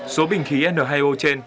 số bình khí n hai o trên